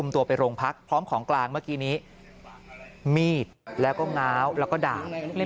มีดแล้วก็ง้าวแล้วก็ด่า